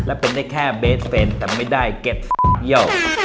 และเป็นได้แค่เบสเฟรนด์แต่ไม่ได้เก็ตฟิ๊บโย